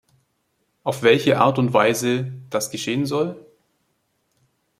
Auf welche Art und Weise das geschehen soll?